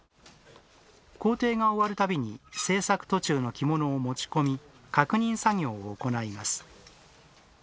工程が終わる度に、製作途中の着物を持ち込み確認作業を行います。